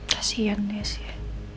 kasihan dia sih ya